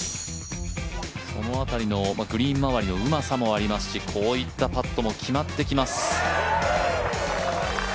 その辺りのグリーン周りのうまさもありますしこういったパットも決まってきます。